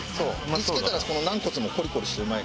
煮付けたら軟骨もコリコリしてうまい。